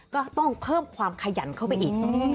ก็ต้องเพิ่มความขยันเข้าไปอีก